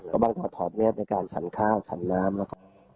หรือบางทีก็อาจจะถอดแมสในการฉันข้าวฉันน้ำนะครับ